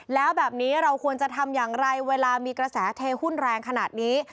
แล้วแบบนี้เราควรจะทำอย่างไรเวลามีกระแสเทหุ้นแรงขนาดนี้